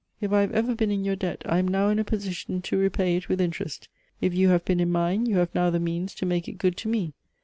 If I have ever been in your debt I am now in a position to repay it with interest; if you have been in mine you have now the means to make it good to me.